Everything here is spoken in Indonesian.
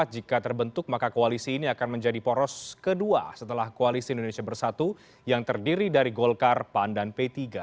jika terbentuk maka koalisi ini akan menjadi poros kedua setelah koalisi indonesia bersatu yang terdiri dari golkar pan dan p tiga